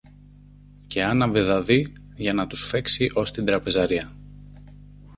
και άναβε δαδί, για να τους φέξει ως την τραπεζαρία.